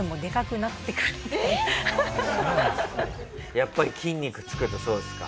やっぱり筋肉つくとそうですか？